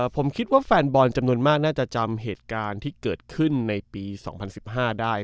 ผมคิดว่าแฟนบอลจำนวนมากน่าจะจำเหตุการณ์ที่เกิดขึ้นในปี๒๐๑๕ได้